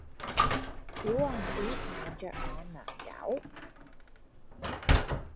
小王子望著我良久